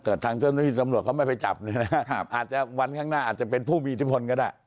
คือถ้าเจอทางสมุทิสำรวจไม่ไปเจาะก่อนสงับนะครับวันข้างหน้าอาจจะเป็นผู้มีอิทธิพลก็ได้